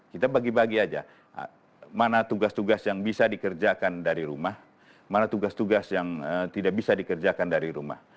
kita bagi bagi aja mana tugas tugas yang bisa dikerjakan dari rumah mana tugas tugas yang tidak bisa dikerjakan dari rumah